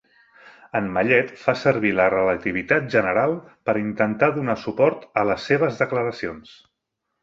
En Mallet fa servir la relativitat general per intentar donar suport a les seves declaracions.